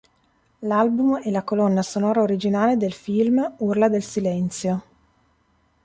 L'album è la colonna sonora originale del film "Urla del silenzio".